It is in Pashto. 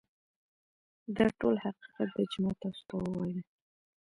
دا ټول حقیقت دی چې ما تاسو ته وویل